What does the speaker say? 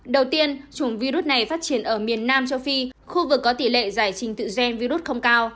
đầu tiên chủng virus này phát triển ở miền nam châu phi khu vực có tỷ lệ giải trình tự gen virus không cao